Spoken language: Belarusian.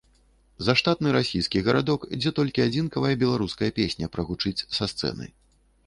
Заштатны расійскі гарадок, дзе толькі адзінкавая беларуская песня прагучыць са сцэны.